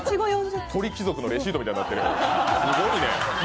鳥貴族のレシートみたいになってる。